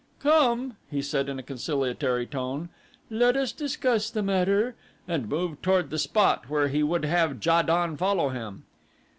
"Come," he said in a conciliatory tone, "let us discuss the matter," and moved toward the spot where he would have Ja don follow him.